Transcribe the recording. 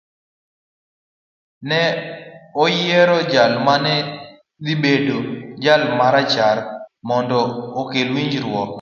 Ne oyiero jal ma ne dhi bedo jal ma rachar mondo okel winjruok.